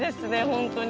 本当に。